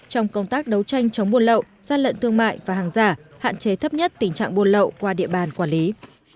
trong công tác đấu tranh chống buôn lậu gian lận thương mại và hàng giả hạn chế thấp nhất tình trạng buôn lậu qua địa bàn quản lý